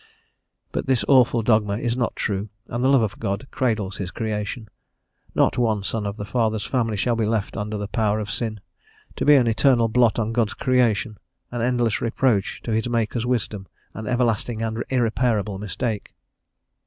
But this awful dogma is not true, and the Love of God cradles his creation; not one son of the Father's family shall be left under the power of sin, to be an eternal blot on God's creation, an endless reproach to his Maker's wisdom, an everlasting and irreparable mistake.